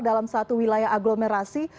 dalam satu wilayah agglomerasi